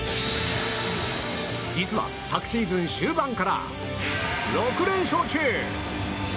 実は昨シーズン終盤から６連勝中！